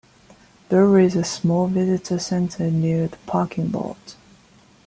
There is a small visitor center near the parking lot.